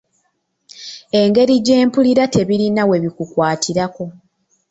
Engeri gy’empulira tebirina we bikukwatirako.